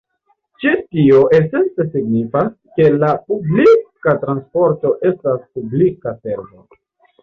Ĉi tio esence signifas, ke la publika transporto estas publika servo.